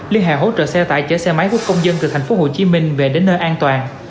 liên hệ hỗ trợ xe tải chở xe máy quốc công dân từ thành phố hồ chí minh về đến nơi an toàn